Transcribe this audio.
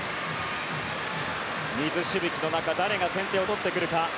水しぶきの中誰が先手を取ってくるか。